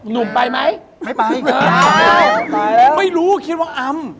หนุ่มไปไหมไม่ไปไม่ไปแล้วไม่รู้คิดว่าอำ